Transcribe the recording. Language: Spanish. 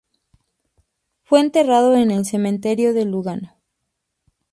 Fue enterrado en el cementerio de Lugano.